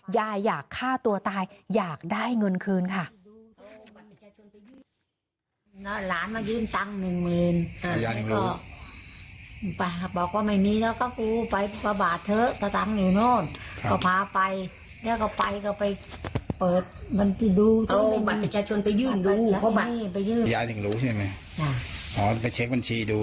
อยากฆ่าตัวตายอยากได้เงินคืนค่ะ